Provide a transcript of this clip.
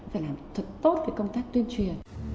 phải làm thật tốt cái công tác tuyên truyền